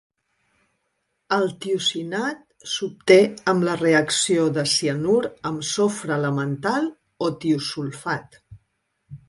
El tiocianat s'obté amb la reacció de cianur amb sofre elemental o tiosulfat.